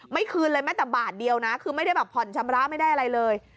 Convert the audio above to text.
คืนเลยแม้แต่บาทเดียวนะคือไม่ได้แบบผ่อนชำระไม่ได้อะไรเลย